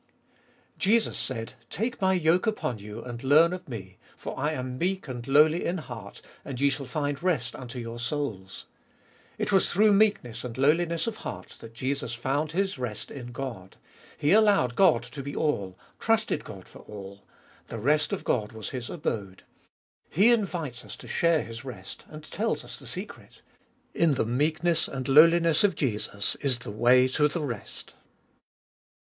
7. Jesus said, "Take My yoke upon you, and learn of Me, for I am meek and lowly in heart, and ye shall find rest unto your souls. " It was through meekness and lowliness of heart that Jesus found His rest in God : He allowed God to be all, trusted God for all— the rest of God was His abode. He invites us to share His rest, and tells us the secret. In the meekness and lowliness of Jesus is the way to the rest.